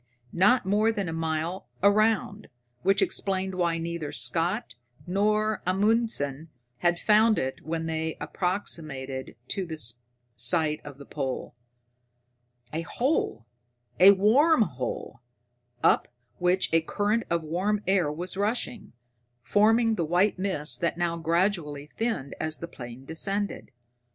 Not more than a mile around, which explained why neither Scott nor Amundsen had found it when they approximated to the site of the pole. A hole a warm hole, up which a current of warm air was rushing, forming the white mist that now gradually thinned as the plane descended.